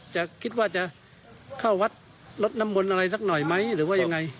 จะคิดว่าจะเข้าวัดลดน้ำมนต์อะไรสักหน่อยไหมหรือว่ายังไง